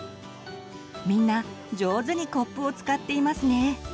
みんなじょうずにコップを使っていますね。